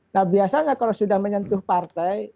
nah biasanya kalau sudah menyentuh partai